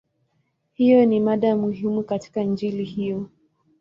Hiyo ni mada muhimu katika Injili hiyo.